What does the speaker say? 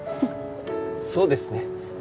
そうですね。